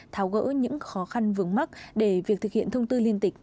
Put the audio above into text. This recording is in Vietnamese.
tháo gỡ những khó khăn vướng mắt để việc thực hiện thông tư liên tịch